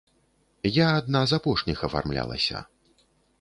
Я адна з апошніх афармлялася.